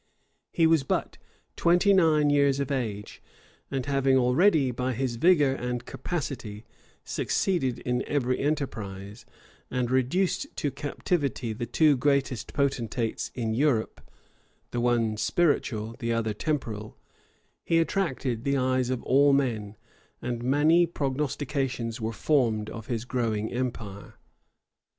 He was but twenty nine years of age; and having already, by his vigor and capacity, succeeded in every enterprise, and reduced to captivity the two greatest potentates in Europe, the one spiritual, the other temporal, he attracted the eyes of all men; and many prognostications were formed of his growing empire.